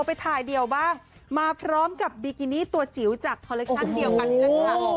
ไปถ่ายเดียวบ้างมาพร้อมกับบิกินี่ตัวจิ๋วจากคอลเลคชั่นเดียวกันนี่แหละค่ะ